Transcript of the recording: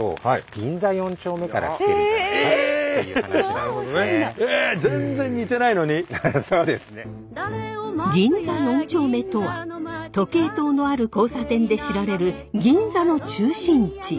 銀座四丁目とは時計塔のある交差点で知られる銀座の中心地。